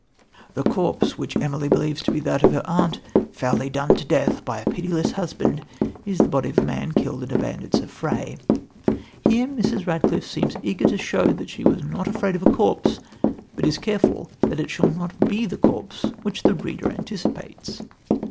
The corpse, which Emily believed to be that of her aunt, foully done to death by a pitiless husband, is the body of a man killed in a bandit's affray. Here Mrs. Radcliffe seems eager to show that she was not afraid of a corpse, but is careful that it shall not be the corpse which the reader anticipates.